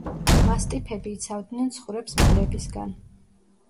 მასტიფები იცავდნენ ცხვრებს მგლებისგან.